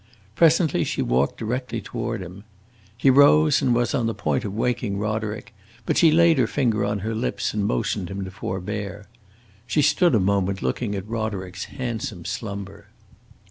Presently she walked directly toward him. He rose and was on the point of waking Roderick, but she laid her finger on her lips and motioned him to forbear. She stood a moment looking at Roderick's handsome slumber.